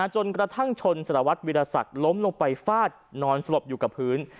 จนกระทั่งชนสารวัตรวิรสักล้มลงไปฟาดนอนสลบอยู่กับพื้น